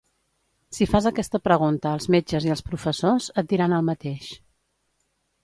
Si fas aquesta pregunta als metges i als professors, et diran el mateix.